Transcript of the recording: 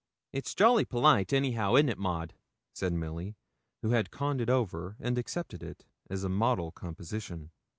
'It's jolly polite anyhow, isn't it Maud?' said Milly, who had conned it over, and accepted it as a model composition.